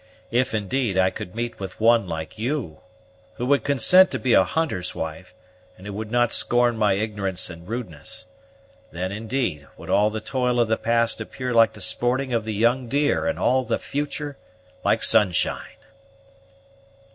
If, indeed, I could meet with one like you, who would consent to be a hunter's wife, and who would not scorn my ignorance and rudeness, then, indeed, would all the toil of the past appear like the sporting of the young deer, and all the future like sunshine."